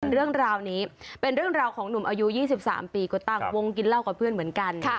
เรื่องราวนี้เป็นเรื่องราวของหนุ่มอายุ๒๓ปีก็ตั้งวงกินเหล้ากับเพื่อนเหมือนกัน